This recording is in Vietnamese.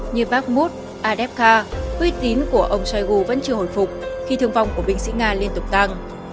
như bakhmut adepka huy tín của ông shoigu vẫn chưa hồi phục khi thương vong của binh sĩ nga liên tục tăng